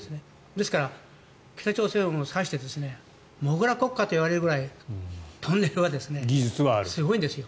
ですから、北朝鮮はモグラ国家といわれるくらいトンネル技術はすごいんです。